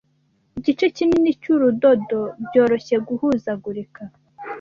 Igice kinini cyurudodo byoroshye guhuzagurika.